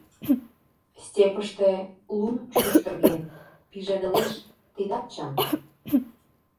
Степьыште лум шӱштырген, пижедылеш - тидат чын.